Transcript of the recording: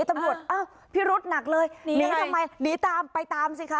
ตำรวจอ้าวพิรุษหนักเลยหนีทำไมหนีตามไปตามสิคะ